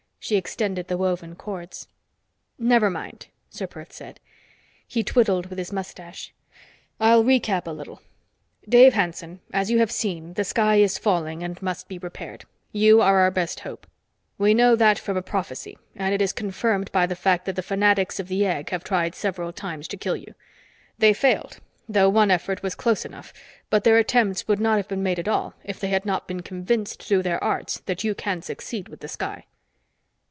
She extended the woven cords. "Never mind," Ser Perth said. He twiddled with his mustache. "I'll recap a little. Dave Hanson, as you have seen, the sky is falling and must be repaired. You are our best hope. We know that from a prophecy, and it is confirmed by the fact that the fanatics of the Egg have tried several times to kill you. They failed, though one effort was close enough, but their attempts would not have been made at all if they had not been convinced through their arts that you can succeed with the sky."